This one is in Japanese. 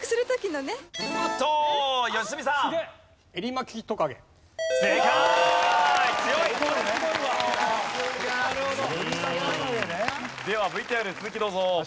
ではＶＴＲ続きどうぞ。